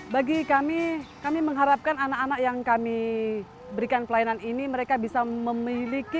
bagi kami kami mengharapkan anak anak yang kami berikan pelayanan ini mereka bisa memiliki